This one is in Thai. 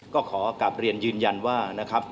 ก็ขอกลับเรียนยืนยันว่านะครับ